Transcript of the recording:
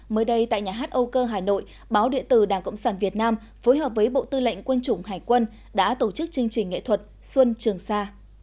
mới đây tại nhà hát âu cơ hà nội báo địa tử đảng cộng sản việt nam phối hợp với bộ tư lệnh quân chủng hải quân đã tổ chức chương trình nghệ thuật xuân trường sa